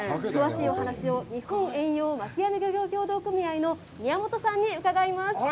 詳しいお話を日本遠洋旋網漁業協同組合の宮本さんに伺います。